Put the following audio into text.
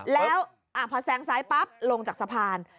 แล้วพอแซงซ้ายปั๊บลงจากสะพาน